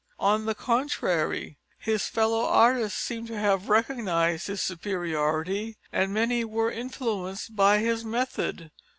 On the contrary, his fellow artists seem to have recognised his superiority, and many were influenced by his method.